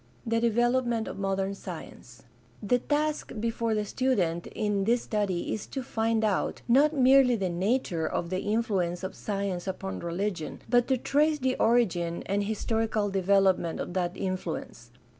The development of modem science. — ^The task before the student in this study is to find out, not merely the nature of the influence of science upon religion, but to trace the origin and historical development of that influence.